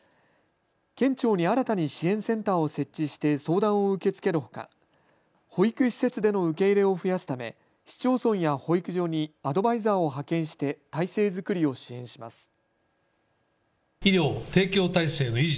県庁に新たに支援センターを設置して相談を受け付けるほか保育施設での受け入れを増やすため市町村や保育所にアドバイザーを派遣して体制作りを支援します。